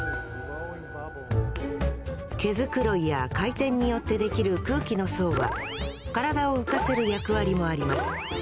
毛繕いや回転によってできる空気の層は体を浮かせる役割もあります。